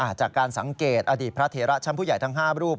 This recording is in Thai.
จากการสังเกตอดีตพระเถระชั้นผู้ใหญ่ทั้ง๕รูป